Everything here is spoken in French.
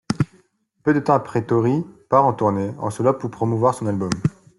Peu de temps après Tori part en tournée, en solo pour promouvoir son album.